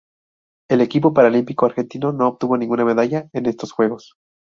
El equipo paralímpico argelino no obtuvo ninguna medalla en estos Juegos.